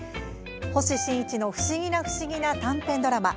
「星新一の不思議な不思議な短編ドラマ」